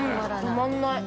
止まんない！